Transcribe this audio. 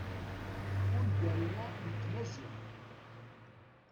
ungalen-a n tmaziɣt